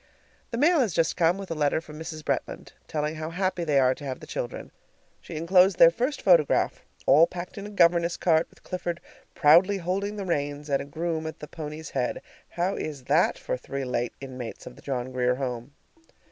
The mail has just come, with a letter from Mrs. Bretland, telling how happy they are to have the children. She inclosed their first photograph all packed in a governess cart, with Clifford proudly holding the reins, and a groom at the pony's head. How is that for three late inmates of the John Grier Home?